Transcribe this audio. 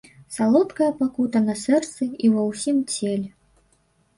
Салодкая пакута на сэрцы і ўва ўсім целе.